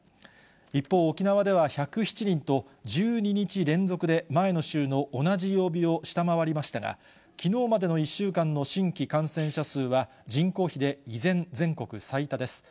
一方、沖縄では１０７人と、１２日連続で前の週の同じ曜日を下回りましたが、きのうまでの１週間の新規感染者数は人口比で依然、全国最多です。